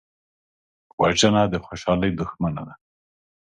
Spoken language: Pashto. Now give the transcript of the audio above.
وژنه د خوشحالۍ دښمنه ده